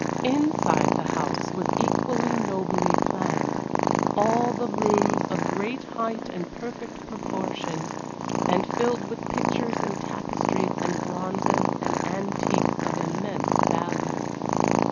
Inside the house was equally nobly planned: all the rooms of great height and perfect proportion, and filled with pictures and tapestries and bronzes and antiques of immense value.